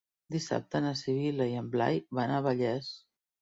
Dissabte na Sibil·la i en Blai van a Vallés.